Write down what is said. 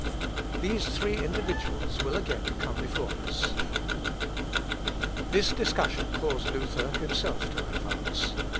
These three individuals will again come before us. This discussion caused Luther himself to advance.